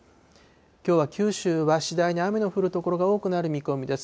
きょうはは九州は次第に雨の降る所が多くなる見込みです。